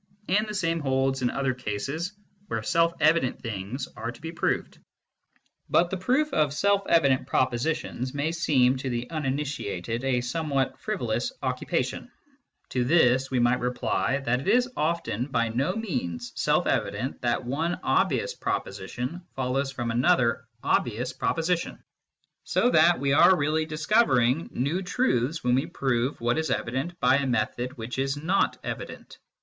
And the same holds in other cases where self evident things are to be proved. But the proof of self evident propositions may seem, to the uninitiated, a somewhat frivolous occupation, To this we might reply that it is often by no means self evident that one obvious proposition follows from another obvious proposition ; so that we are really discovering new truths when we prove what is evident by a method which is not evident.